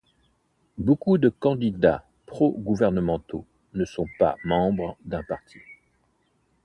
Beaucoup de candidats pro-gouvernementaux ne sont pas membres d'un parti.